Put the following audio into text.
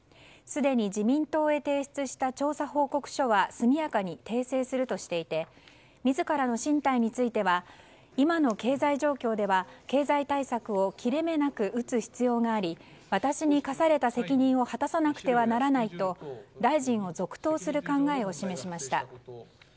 すでに自民党へ提出した調査報告書は速やかに訂正するとしていて自らの進退については今の経済状況では経済対策を切れ目なく打つ必要があり私に課された責任を果たさなくてはならないと大臣を続投する考えを示しました。